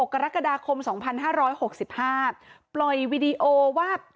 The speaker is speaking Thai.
กรกฎาคม๒๕๖๕ปล่อยวีดีโอว่า